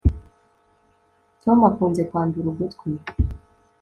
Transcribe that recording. tom akunze kwandura ugutwi